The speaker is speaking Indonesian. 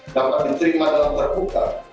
dapat diterima dalam berbuka